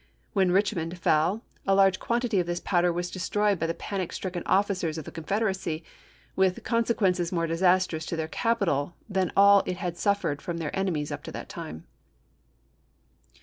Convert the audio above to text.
When Richmond fell, a large quantity of this powder was destroyed by the panic stricken officers of the Con federacy, with consequences more disastrous to their capital than all it had suffered from their enemies up to that time.